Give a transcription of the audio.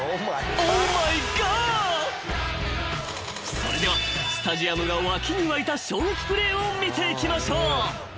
［それではスタジアムが沸きに沸いた衝撃プレーを見ていきましょう］